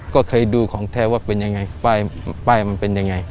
ก็เคยดูของแท้ว่าเป็นยังไงป้ายมันเป็นยังไง